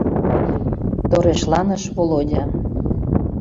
— торешланыш Володя.